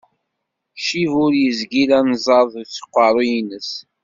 Ccib ur yezgil anẓad seg uqqeru-ines.